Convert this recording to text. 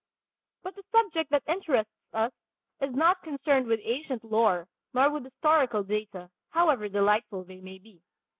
But the subject that interests us is not concerned with ancient lore nor with historical data, however delightful they may be.